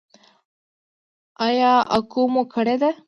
ایا اکو مو کړې ده؟